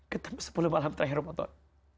ketemu sepuluh malam terakhir ramadan